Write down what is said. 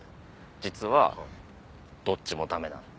実はどっちもダメなんです。